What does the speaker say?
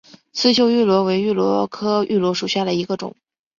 刺绣芋螺为芋螺科芋螺属下的一个种。